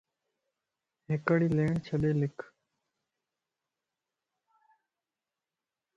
ھڪڙي ليڻ ڇڏي لکَ